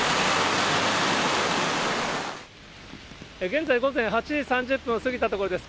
現在、午前８時３０分を過ぎたところです。